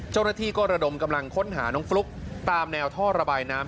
เจ้าหน้าที่ก็ระดมกำลังค้นหาน้องฟลุ๊กตามแนวท่อระบายน้ำ